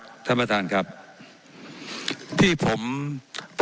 ว่าการกระทรวงบาทไทยนะครับ